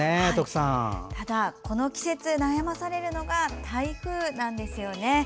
ただ、この季節に悩まされるのが台風なんですよね。